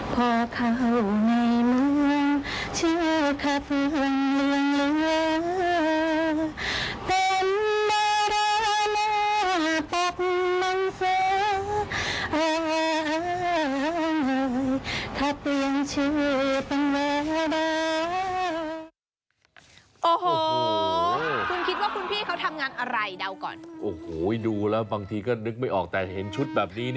เป็นบรรดามาบาปมันสุด